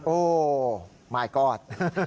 โอ้มายก็อด